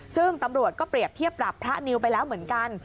ซึ่งตำรวจก็เปรียบเทียบปรับพระนิวไปแล้วเหมือนกัน